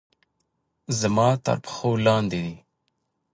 زما تر پښو لاندې دي